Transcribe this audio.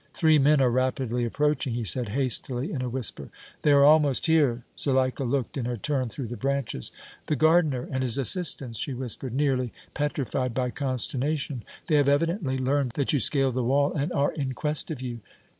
"Three men are rapidly approaching," he said, hastily, in a whisper. "They are almost here!" Zuleika looked, in her turn, through the branches. "The gardener and his assistants," she whispered, nearly petrified by consternation. "They have evidently learned that you scaled the wall and are in quest of you!"